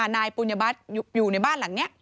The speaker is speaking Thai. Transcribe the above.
นายปุญญบัตรอยู่ในบ้านหลังนี้